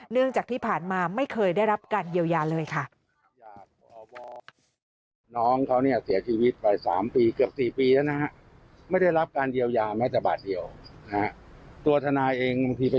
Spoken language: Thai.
จากที่ผ่านมาไม่เคยได้รับการเยียวยาเลยค่ะ